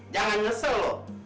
jangan nyesel loh